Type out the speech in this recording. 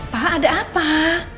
pak irfan beritahu